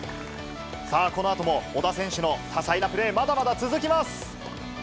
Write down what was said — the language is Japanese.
さあ、このあとも小田選手の多彩なプレー、まだまだ続きます。